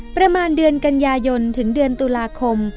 ประมาณเดือนกันยายนถึงเดือนตุลาคม